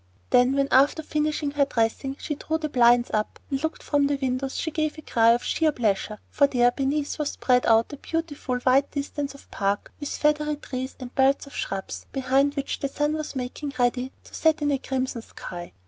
Then, when, after finishing her dressing, she drew the blinds up and looked from the windows, she gave a cry of sheer pleasure, for there beneath was spread out a beautiful wide distance of Park with feathery trees and belts of shrubs, behind which the sun was making ready to set in a crimson sky.